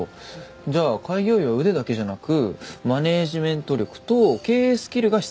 じゃあ開業医は腕だけじゃなくマネジメント力と経営スキルが必要って事ですね。